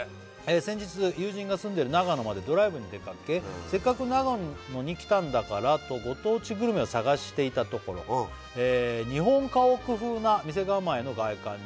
「先日友人が住んでる長野までドライブに出かけ」「せっかく長野に来たんだからとご当地グルメを探していたところ」「日本家屋風な店構えの外観に」